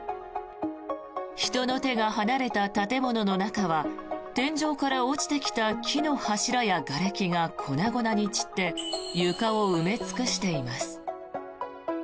人の手が離れた建物の中は天井から落ちてきた木の柱やがれきが粉々に散って床を埋め尽くしています。